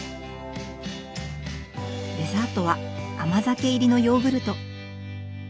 デザートは甘酒入りのヨーグルト。